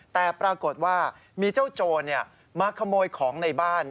แต่ปรากฏว่ามีเจ้าโจรมาขโมยของในบ้าน